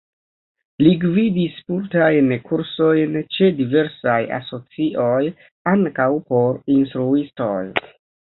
Li gvidis multajn kursojn ĉe diversaj asocioj, ankaŭ por instruistoj.